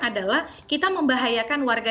adalah kita membahayakan warga